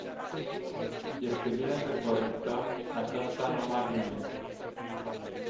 Este bine să corectăm această anomalie.